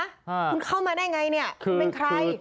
คือเข้ามาได้อย่างไรเป็นใคร